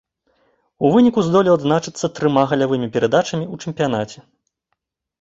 У выніку здолеў адзначыцца трыма галявымі перадачамі ў чэмпіянаце.